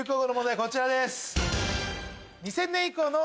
こちらです。